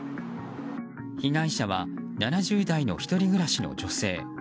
被害者は７０代の１人暮らしの女性。